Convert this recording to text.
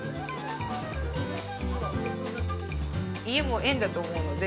家も縁だと思うので。